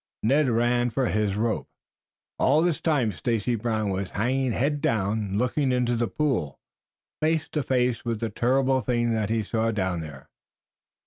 Ned ran for his rope. All this time Stacy Brown was hanging head down, looking into the pool, face to face with the terrible thing that he saw down there.